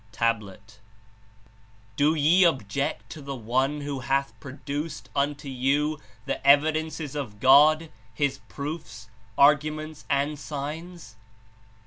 (Tablet) "Do ye object to the One who hath produced unto you the evidences of God, His proofs, arguments and signs?